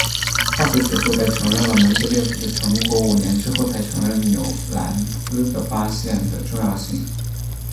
化学学会在承认了门捷列夫的成果五年之后才承认纽兰兹的发现的重要性。